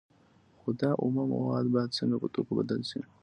خو دا اومه مواد باید څنګه په توکو بدل شي